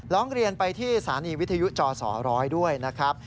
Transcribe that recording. ร้องเรียนไปที่สถานีวิทยุจสร้อยด้วยนะครับ